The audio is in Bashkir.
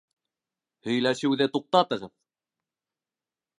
Һөйләшеүҙе туҡтатығыҙ!